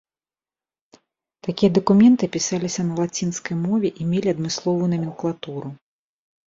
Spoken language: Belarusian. Такія дакументы пісаліся на лацінскай мове і мелі адмысловую наменклатуру.